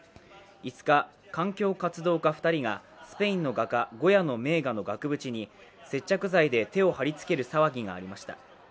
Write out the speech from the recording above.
５日、環境活動家２人がスペインの画家・ゴヤの名画の額縁に接着剤で手を貼り付ける騒ぎがありました。